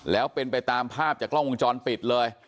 แล้วเป็นไปตามภาพจากกล้องวงจรปิดเลย